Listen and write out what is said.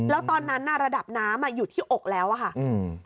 แล้วตอนนั้นระดับน้ำอยู่ที่อกแล้วค่ะ